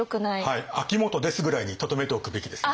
はい「秋元です」ぐらいにとどめておくべきですね。